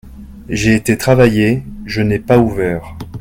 J'ai été travailler, je n'ai pas ouvert.